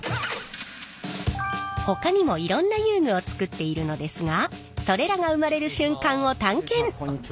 ほかにもいろんな遊具を作っているのですがそれらが生まれる瞬間を探検。